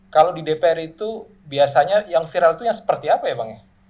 kalau di dpr itu biasanya yang viral itu yang seperti apa ya bang ya